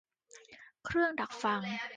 เครื่องดักฟัง